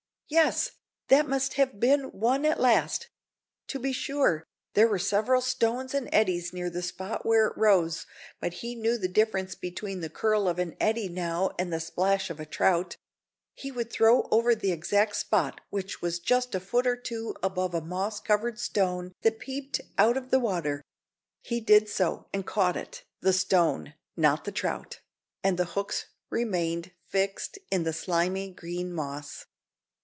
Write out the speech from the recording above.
Yes, that must have been one at last; to be sure, there were several stones and eddies near the spot where it rose, but he knew the difference between the curl of an eddy now and the splash of a trout; he would throw over the exact spot, which was just a foot or two above a moss covered stone that peeped out of the water; he did so, and caught it the stone, not the trout and the hooks remained fixed in the slimy green moss.